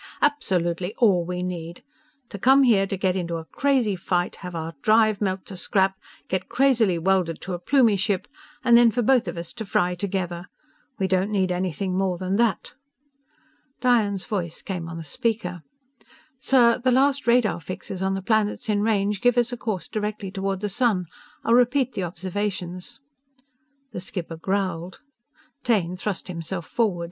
Absolutely all we need! To come here, get into a crazy right, have our drive melt to scrap, get crazily welded to a Plumie ship, and then for both of us to fry together! We don't need anything more than that!" Diane's voice came on the speaker: "_Sir, the last radar fixes on the planets in range give us a course directly toward the sun. I'll repeat the observations._" The skipper growled. Taine thrust himself forward.